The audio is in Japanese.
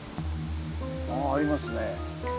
あありますね。